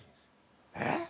えっ？